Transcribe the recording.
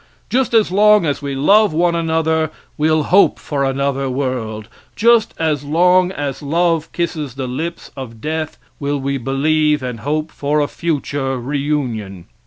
Just as long as we love one another we'll hope for another world; just as long as love kisses the lips of death will we believe and hope for a future reunion.